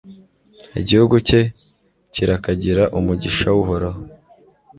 igihugu cye kirakagira umugisha w'uhoraho